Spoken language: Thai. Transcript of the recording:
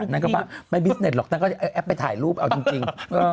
นั่นไม่บิสเนสหรอกนั่นก็แอปไปถ่ายรูปเอาจริง